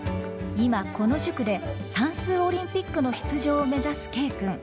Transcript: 今この塾で算数オリンピックの出場を目指すＫ君。